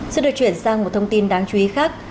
xin được chuyển sang một thông tin đáng chú ý khác